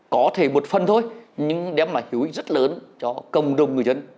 có thể một phần thôi nhưng đem lại hữu ích rất lớn cho cộng đồng người dân